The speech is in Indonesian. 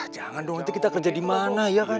jangan dong nanti kita kerja di mana ya kan